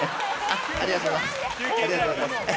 ありがとうございます。